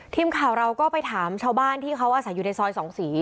ทีมข่าวเราก็ไปถามชาวบ้านที่เขาอาศัยอยู่ในซอยสองสี